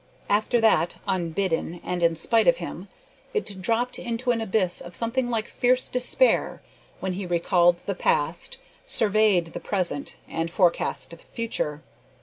After that, unbidden, and in spite of him, it dropped into an abyss of something like fierce despair when he recalled the past surveyed the present, and forecast the future.